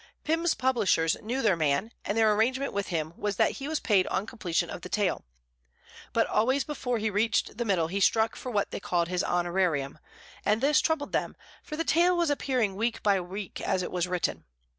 Pym's publishers knew their man, and their arrangement with him was that he was paid on completion of the tale. But always before he reached the middle he struck for what they called his honorarium; and this troubled them, for the tale was appearing week by week as it was written.